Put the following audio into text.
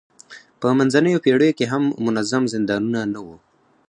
په منځنیو پېړیو کې هم منظم زندانونه نه وو.